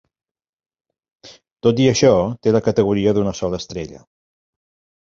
Tot i això, té la categoria d'una sola estrella.